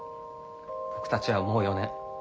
僕たちはもう４年。